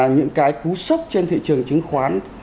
những cái cú sốc trên thị trường chứng khoán